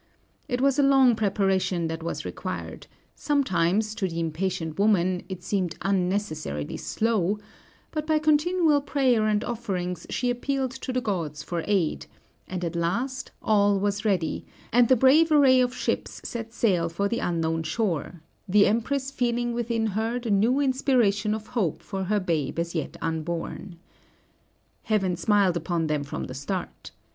It was a long preparation that was required sometimes, to the impatient woman, it seemed unnecessarily slow but by continual prayer and offerings she appealed to the gods for aid; and at last all was ready, and the brave array of ships set sail for the unknown shore, the Empress feeling within her the new inspiration of hope for her babe as yet unborn. Heaven smiled upon them from the start.